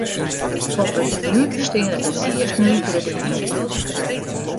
Op it menu steane de meast nuvere dingen.